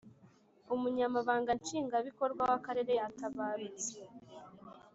Umunyamabanga Nshingabikorwa w Akarere yatabarutse